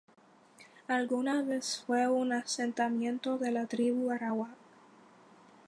Alguna vez fue un asentamiento de la tribu Arawak.